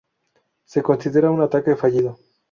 Se considera un ataque fallido.